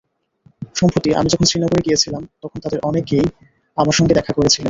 সম্প্রতি আমি যখন শ্রীনগরে গিয়েছিলাম, তখন তাদের অনেকেই আমার সঙ্গে দেখা করেছিলেন।